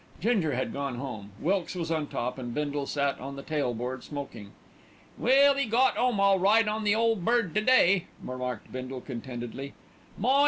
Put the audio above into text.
Ginger had gone home, Wilkes was on top, and Bindle sat on the tail board smoking. "Well, 'e got 'ome all right on the Ole Bird to day," remarked Bindle contentedly. "My!